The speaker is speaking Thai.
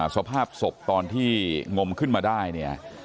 สภาพศพตอนที่งมขึ้นมาได้เนี่ย